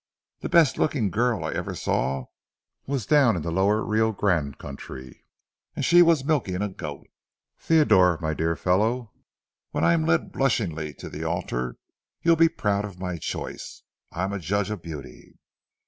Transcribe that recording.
The best looking girl I ever saw was down in the lower Rio Grande country, and she was milking a goat. Theodore, my dear fellow, when I'm led blushingly to the altar, you'll be proud of my choice. I'm a judge of beauty.'"